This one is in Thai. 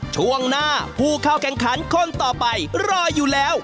ช่วงหน้าผู้เข้าแข่งขันคนต่อไปรออยู่แล้ว